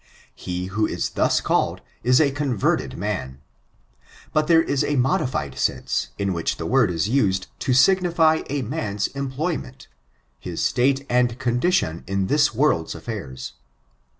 He who is thus called, is a converted man. But there is a modified sense, in which the word is used to signify a man's employment — his state and condition in this world's afiairs.